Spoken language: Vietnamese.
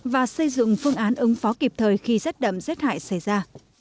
và xây dựng phương án ứng phó kịp thời khi rét đậm rét hại xảy ra